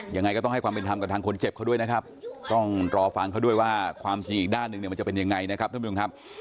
ยังไงก็ต้องให้ความเป็นธรรมกับทางคนเจ็บเขาด้วยนะครับต้องรอฟังเขาด้วยว่าความจริงอีกด้านหนึ่งเนี่ยมันจะเป็นยังไงนะครับท่านผู้ชมครับ